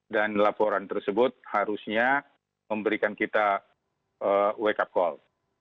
dan laporan tersebut harusnya memberikan kita wake up call